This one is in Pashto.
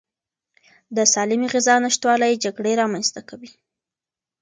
د سالمې غذا نشتوالی جګړې رامنځته کوي.